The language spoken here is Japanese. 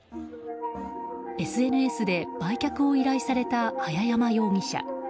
ＳＮＳで売却を依頼された早山容疑者。